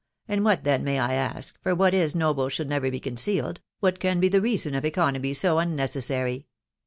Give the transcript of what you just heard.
... And what, 'then, may I »ask .., .for what iis noble should never be concealed .... what can be the reason of economy so unnecessary?